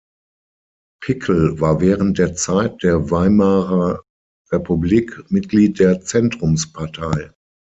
Pickel war während der Zeit der Weimarer Republik Mitglied der Zentrumspartei.